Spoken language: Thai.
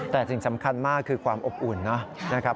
แต่สิ่งสำคัญมากคือความอบอุ่นนะครับ